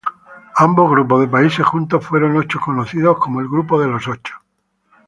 Ambos grupos de países juntos fueron conocidos como el Grupo de los Ocho.